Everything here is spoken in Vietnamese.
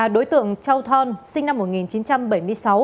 đối tượng châu thon sinh năm một nghìn chín trăm bảy mươi sáu